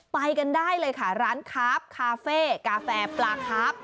ไปกันได้เลยค่ะร้านคาร์ฟคาเฟ่กาแฟปลาครับ